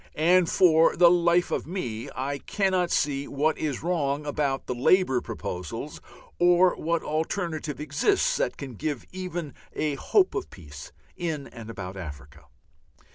And for the life of me I cannot see what is wrong about the Labour proposals, or what alternative exists that can give even a hope of peace in and about Africa.